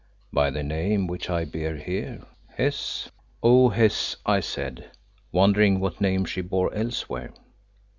"By the name which I bear here, Hes." "O Hes," I said, wondering what name she bore elsewhere.